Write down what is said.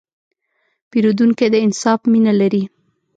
پیرودونکی د انصاف مینه لري.